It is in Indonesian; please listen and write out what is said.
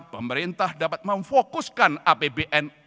pemerintah dapat memfokuskan apbn